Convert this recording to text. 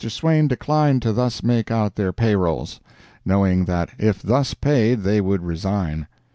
Swain declined to thus make out their pay rolls, knowing that if thus paid they would resign.